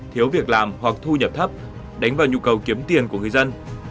thiếu việc làm hoặc thu nhập thấp đánh vào nhu cầu kiếm tiền của người dân